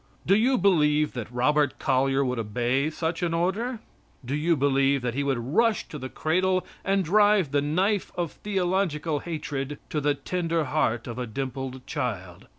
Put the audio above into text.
Do you believe that Robert Collyer would obey such an order? Do you believe that he would rush to the cradle and drive the knife of theological hatred to the tender heart of a dimpled child?